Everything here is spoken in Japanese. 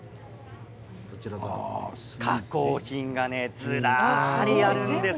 加工品がずらりあるんです。